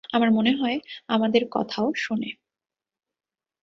আমার মনে হয় আমাদের কথাও শোনে।